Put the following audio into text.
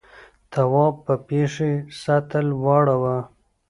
تواب په پښې سطل واړاوه.